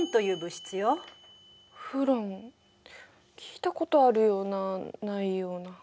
フロン聞いたことあるようなないような。